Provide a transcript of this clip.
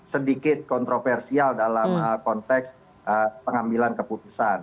sedikit kontroversial dalam konteks pengambilan keputusan